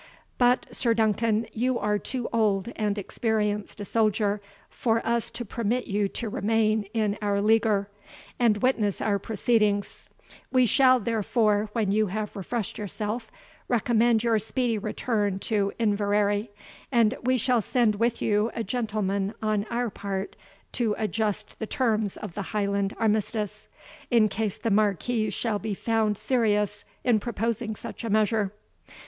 But, Sir Duncan, you are too old and experienced a soldier for us to permit you to remain in our leaguer, and witness our proceedings; we shall therefore, when you have refreshed yourself, recommend your speedy return to Inverary, and we shall send with you a gentleman on our part to adjust the terms of the Highland armistice, in case the Marquis shall be found serious in proposing such a measure."